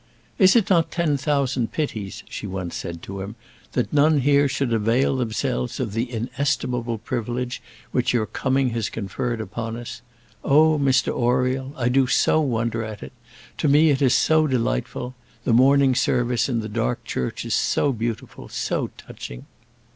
"Is it not ten thousand pities," she once said to him, "that none here should avail themselves of the inestimable privilege which your coming has conferred upon us? Oh, Mr Oriel, I do so wonder at it! To me it is so delightful! The morning service in the dark church is so beautiful, so touching!"